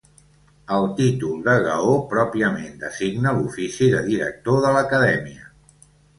El títol de Gaó pròpiament designa l'ofici de director de l'acadèmia.